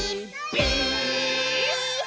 ピース！」